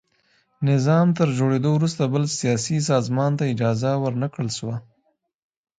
نظام تر جوړېدو وروسته بل سیاسي سازمان ته اجازه ور نه کړل شوه.